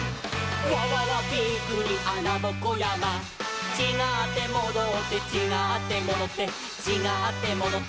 「わわわびっくりあなぼこやま」「ちがってもどって」「ちがってもどってちがってもどって」